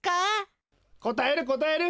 こたえるこたえる！